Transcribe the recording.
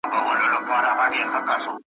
د خرقې دام,